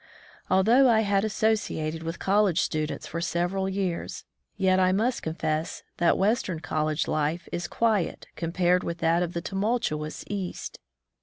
Although I had associated with college students for several years, yet I must confess that western college life is quiet compared with that of the tumultuous East.